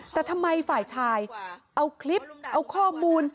แต่ทำไมฝ่ายชายเอาคลิปเอาข้อมูล